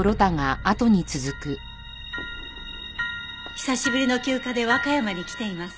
久しぶりの休暇で和歌山に来ています